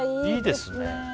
いいですね。